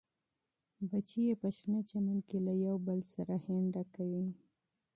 بچي یې په شنه چمن کې یو له بل سره لوبې کوي.